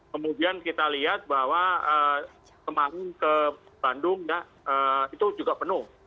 kemudian kita lihat bahwa kemarin ke bandung ya itu juga penuh